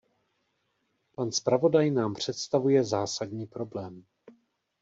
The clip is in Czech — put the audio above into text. Pan zpravodaj nám představuje zásadní problém.